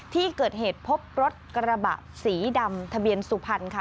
ที่เกิดเหตุพบรถกระบะสีดำทะเบียนสุพรรณค่ะ